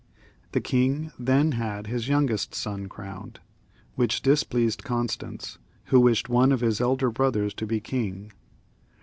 The king then had his youngest son crowned, which dis pleased Constance, who wished one of his elder brothers to be king.